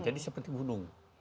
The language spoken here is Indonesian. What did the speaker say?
jadi seperti gunung